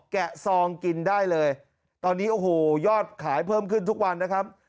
แกะซองกินได้เลยตอนนี้โอ้โหยอดขายเพิ่มขึ้นทุกวันนะครับ